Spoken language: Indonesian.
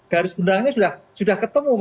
garis benangnya sudah ketemu